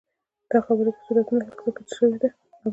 دا خبره په سورت نحل کي ذکر شوي ده، او د تفسير